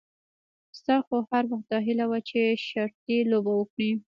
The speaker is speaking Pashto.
ستا خو هر وخت داهیله وه چې شرطي لوبه وکړې.